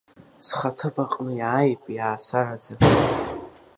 Схы аҭыԥ аҟны иааип, иаасараӡа.